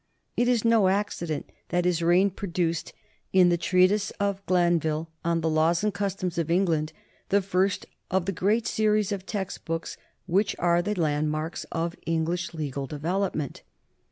It is no accident that his reign produced in the treatise of Glan vill on The Laws and Customs of England the first of the great series of textbooks which are the landmarks of English legal development.